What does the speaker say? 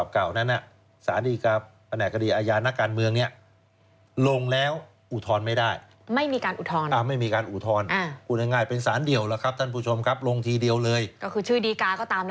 ข้าดีนี้เกี่ยวกับเวลาการทุฏเจฬิกริยา